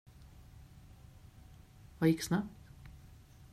Vad gick snabbt?